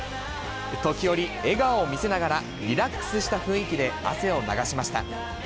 時折、笑顔を見せながら、リラックスした雰囲気で汗を流しました。